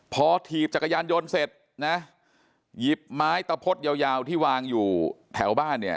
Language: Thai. พอถีบจักรยานยนต์เสร็จนะหยิบไม้ตะพดยาวยาวที่วางอยู่แถวบ้านเนี่ย